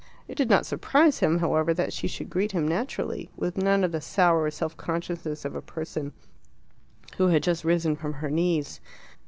It did not surprise him, however, that she should greet him naturally, with none of the sour self consciousness of a person who had just risen from her knees.